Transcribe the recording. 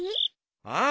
ああ。